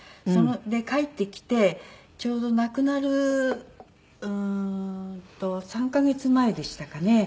で帰ってきてちょうど亡くなるうーんと３カ月前でしたかね。